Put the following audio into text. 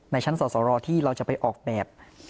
ในชั้นศรอที่เราจะไปออกแบบ